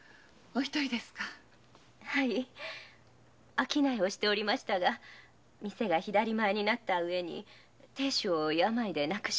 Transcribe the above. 商いをしていましたが店が左前になった上亭主を病で亡くし。